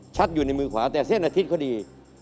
อยู่ในมือขวาแต่เส้นอาทิตย์ก็ดี